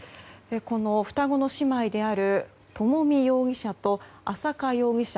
双子の姉妹である朝美容疑者と朝華容疑者